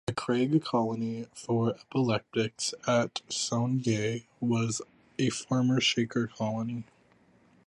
The Craig Colony for Epileptics at Sonyea was a former Shaker colony.